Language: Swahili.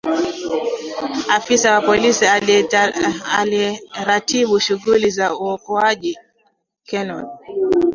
afisa wa polisi inayeratibu shughuli za uokoaji ker nol